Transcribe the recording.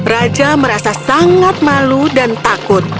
raja merasa sangat malu dan takut